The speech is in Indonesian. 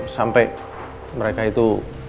sampai mereka itu